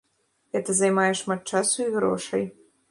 Гэта займае шмат часу і грошай.